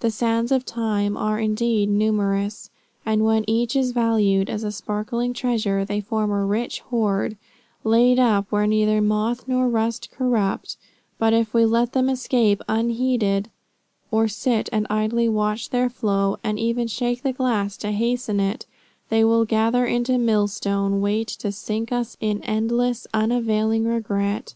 The sands of time are indeed numerous, and when each is valued as a sparkling treasure, they form a rich hoard, laid up where neither moth nor rust corrupt; but if we let them escape unheeded, or sit and idly watch their flow, and even shake the glass to hasten it, they will gather into a millstone weight to sink us in endless, unavailing regret.